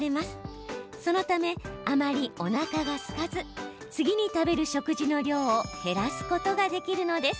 そのためあまりおなかがすかず次に食べる食事の量を減らすことができるのです。